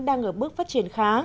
đang ở bước phát triển khá